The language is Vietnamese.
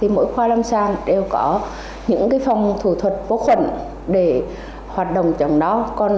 mỗi khoa lâm sang đều có những phòng thủ thuật vô khuẩn để hoạt động chống đau